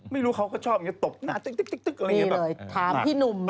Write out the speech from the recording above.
ไม่รู้เขาก็ชอบอย่างนี้ตบหนาตึ๊กอะไรอย่างนี้แบบ